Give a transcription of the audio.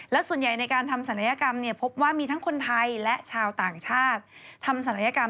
และส่วนใหญ่ในการทำศัลยกรรมพบว่ามีทั้งคนไทยและชาวต่างชาติทำศัลยกรรม